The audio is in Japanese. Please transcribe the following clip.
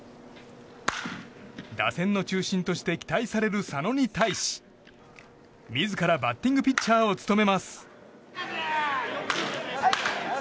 打線の中心として期待される佐野に対し自らバッティングピッチャーを務めます。